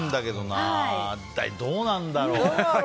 どうなんだろう。